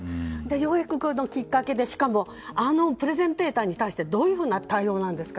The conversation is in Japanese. ようやくこのきっかけであのプレゼンターに対してどういうふうな対応なんですか。